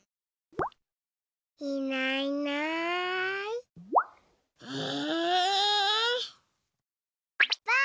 いないいないうん！